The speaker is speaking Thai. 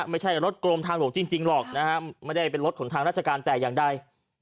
ไม่ใช่รถกรมทางหลวงจริงหรอกไม่ได้เป็นรถของทางราชการแต่อย่างใด